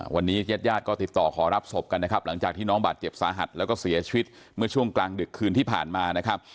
วันนี้ญาติญาติก็ติดต่อขอรับศพกันนะครับหลังจากที่น้องบาดเจ็บสาหัสแล้วก็เสียชีวิตเมื่อช่วงกลางดึกคืนที่ผ่านมานะครับ